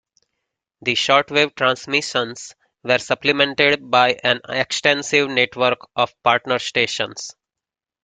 The shortwave transmissions were supplemented by an extensive network of partner stations.